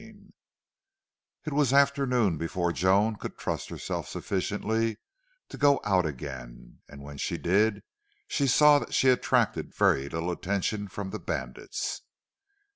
13 It was afternoon before Joan could trust herself sufficiently to go out again, and when she did she saw that she attracted very little attention from the bandits.